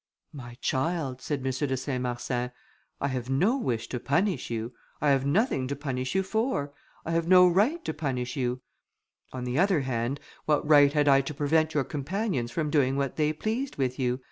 "My child," said M. de Saint Marsin, "I have no wish to punish you; I have nothing to punish you for; I have no right to punish you. On the other hand, what right had I to prevent your companions from doing what they pleased with you.